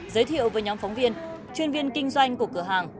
giới thiệu với nhóm phóng viên chuyên viên kinh doanh của cửa hàng